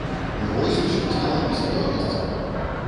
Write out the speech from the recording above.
Ну вось усё і стала на свае месцы.